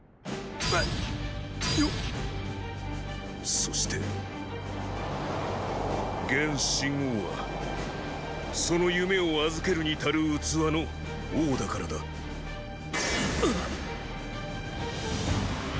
えっ⁉っ⁉そしてーー現秦王はその夢を預けるに足る器の王だからだ。っ！！